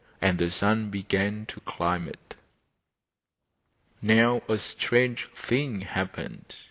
And the son began to climb it. Now a strange thing happened.